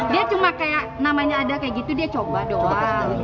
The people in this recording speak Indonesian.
dia cuma kayak namanya ada kayak gitu dia coba doang